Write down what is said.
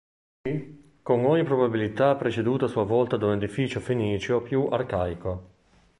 C., con ogni probabilità preceduto a sua volta da un edificio fenicio più arcaico.